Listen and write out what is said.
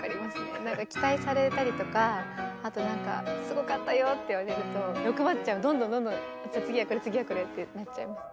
期待されたりとかあとなんか「すごかったよ」って言われるとどんどんどんどんじゃあ次はこれ次はこれってなっちゃいます。